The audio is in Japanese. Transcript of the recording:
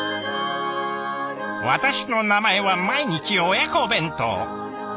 私の名前は「毎日親子弁当」。